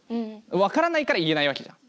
分からないから言えないわけじゃん。